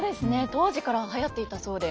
当時からはやっていたそうで。